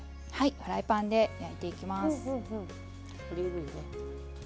フライパンで焼いていきます。